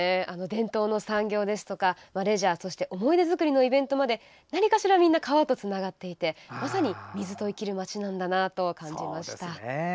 伝統の産業ですとかレジャー、そして思い出作りのイベントまで何かしらみんな川とつながっていてまさに水と生きる街なんだなと感じました。